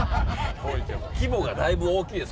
規模がだいぶ大きいです。